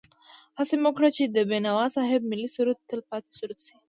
هڅه مې وکړه چې د بېنوا صاحب ملي سرود تل پاتې سرود شي.